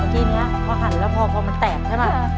ทีนี้พอหันแล้วพอมันแตกใช่ป่ะ